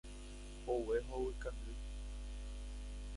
Hogue hovykangy.